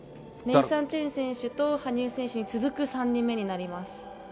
ネイサン・チェン選手と羽生選手に続く３人目になります。